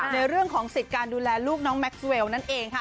ในเรื่องของสิทธิ์การดูแลลูกน้องแม็กซ์เวลนั่นเองค่ะ